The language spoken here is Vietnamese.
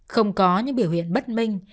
không có những biểu hiện bất minh